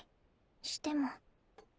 しても。